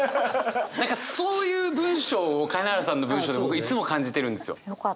何かそういう文章を金原さんの文章で僕いつも感じてるんですよ。